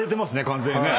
完全にね。